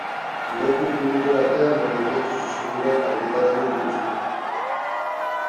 Leku publiko batean bere testu zuzenduak argitaratu dituzte.